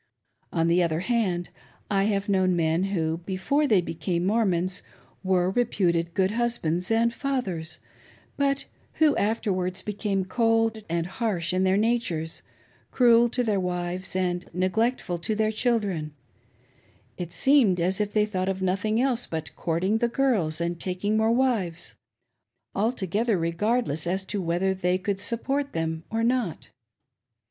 On the other hand, I have known men who, before they became Mormons, were reputed good husbands and fathers, but who afterwards became cold and harsh in their natures, cruel to their wives, and neglectful to their children, — it seemed as if they thought of nothing else but courting the girls, and taking more wives, altogether regardless as to ^whether they could support them or not.